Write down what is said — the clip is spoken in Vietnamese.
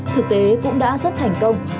thực tế cũng đã rất thành công